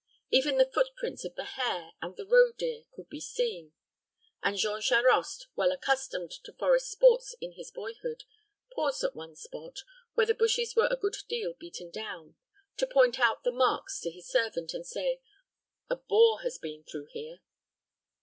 Even the footprints of the hare and the roe deer could be seen; and Jean Charost, well accustomed to forest sports in his boyhood, paused at one spot, where the bushes were a good deal beaten down, to point out the marks to his servant, and say, "A boar has been through here."